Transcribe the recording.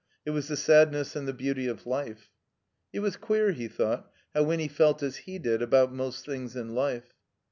It was the sadness and the beauty of life. It was queer, he thought, how Winny felt as he did about most things in life.